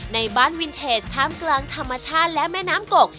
ในบ้านวินเทจท่ามกลางธรรมชาติและแม่น้ำกก